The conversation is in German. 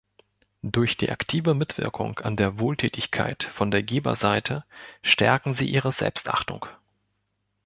Durch die aktive Mitwirkung an der Wohltätigkeit von der Geber-Seite stärken sie ihre Selbstachtung.